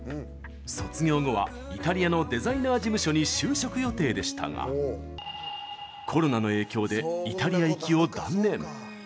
卒業後はイタリアのデザイナー事務所に就職予定でしたがコロナの影響でイタリア行きを断念。